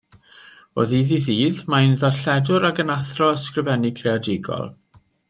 O ddydd i ddydd mae hi'n ddarlledwr ac yn athro ysgrifennu creadigol.